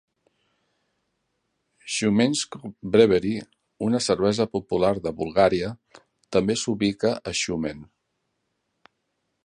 Shumensko Brewery, una cervesa popular de Bulgària, també s'ubica a Shumen.